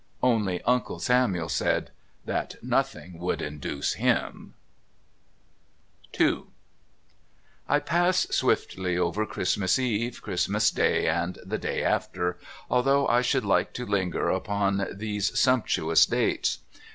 Only Uncle Samuel said "that nothing would induce him " II I pass swiftly over Christmas Eve, Christmas Day, and the day after, although I should like to linger upon these sumptuous dates.